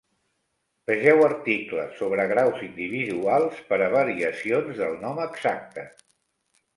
Vegeu articles sobre graus individuals per a variacions del nom exacte.